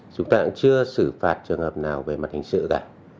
chúng ta cũng chưa xử phạt trường hợp nào về mặt hình sự cả